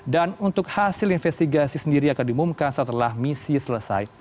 dan untuk hasil investigasi sendiri akan dimumka setelah misi selesai